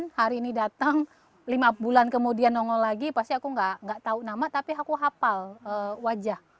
hari ini datang lima bulan kemudian nongol lagi pasti aku nggak tahu nama tapi aku hafal wajah